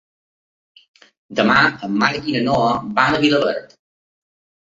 Demà en Marc i na Noa van a Vilaverd.